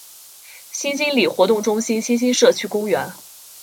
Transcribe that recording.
新兴里活动中心新兴社区公园